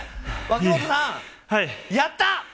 脇本さん、やった！